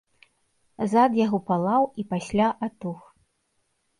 Зад яго палаў і пасля атух.